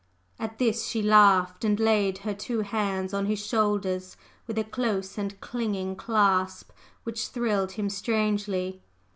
At this she laughed, and laid her two hands on his shoulders with a close and clinging clasp which thrilled him strangely.